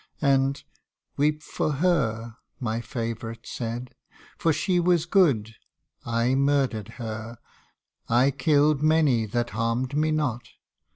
And, " weep for her my favourite said, For she was good I murdered her I killed Many that harmed me not."